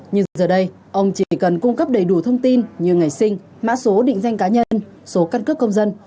nhưng giờ đây ông chỉ cần cung cấp đầy đủ thông tin như ngày sinh mã số định danh cá nhân số căn cước công dân